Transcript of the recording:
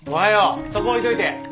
そこ置いといて。